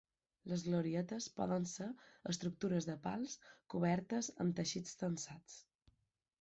Les glorietes poden ser estructures de pals cobertes amb teixits tensats.